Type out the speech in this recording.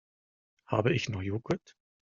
Habe ich noch Joghurt?